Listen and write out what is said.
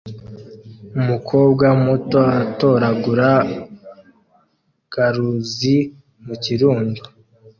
Umukobwa muto atoragura garuzi mu kirundo